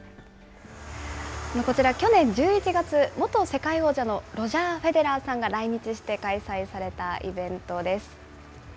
こちら去年１１月、元世界王者のロジャー・フェデラーさんが来日して開催されたイベントです。